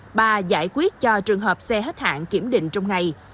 các trung tâm đăng kiểm cũng giải quyết cho trường hợp xe hết hạn kiểm định trong ngày